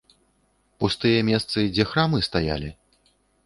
Пустыя месцы, дзе храмы стаялі?